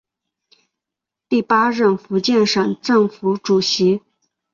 第八任福建省政府主席。